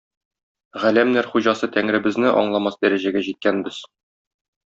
Галәмнәр хуҗасы Тәңребезне аңламас дәрәҗәгә җиткәнбез.